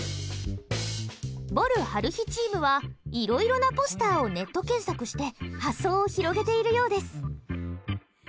ぼる・晴日チームはいろいろなポスターをネット検索して発想を広げているようです。